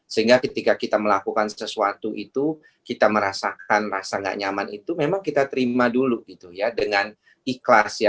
sehingga ketika kita melakukan sesuatu itu kita merasakan rasa gak nyaman itu memang kita terima dulu gitu ya dengan ikhlas ya